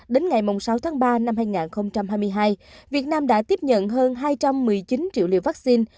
đến ngày sáu tháng ba năm hai nghìn hai mươi hai việt nam đã tiếp nhận hơn hai trăm một mươi chín triệu liều vaccine